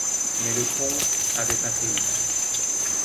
Mais le comte avait passé outre.